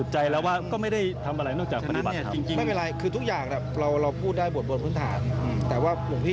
ถ้ารองบอกลงพี่พร้อมปฏิบัติ